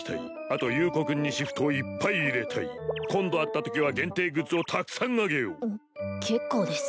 あと優子君にシフトをいっぱい入れたい今度会ったときは限定グッズをたくさんあげよう結構です